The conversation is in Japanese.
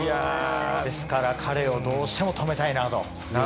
ですから、彼をどうしても止めたいなと、そういう感じです。